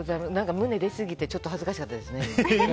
胸、出すぎてちょっと恥ずかしかったですね。